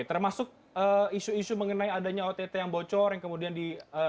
termasuk isu isu mengenai adanya ott yang bocor yang kemudian di